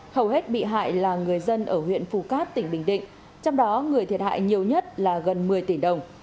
hầu hết bị hại là người dân ở huyện phù cát tỉnh bình định trong đó người thiệt hại nhiều nhất là gần một mươi tỷ đồng